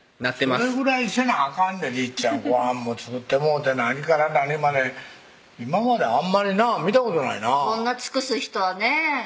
それぐらいせなあかんでりっちゃんご飯も作ってもうて何から何まで今まであんまり見たことないなこんな尽くす人はね